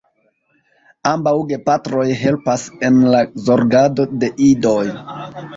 Ambaŭ gepatroj helpas en la zorgado de idoj.